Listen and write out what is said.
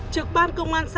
trực ban công an cảnh sát